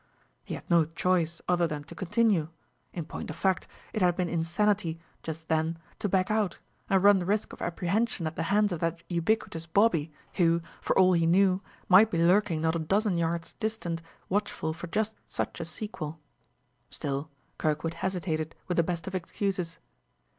He had no choice other than to continue; in point of fact, it had been insanity just then to back out, and run the risk of apprehension at the hands of that ubiquitous bobby, who (for all he knew) might be lurking not a dozen yards distant, watchful for just such a sequel. Still, Kirkwood hesitated with the best of excuses.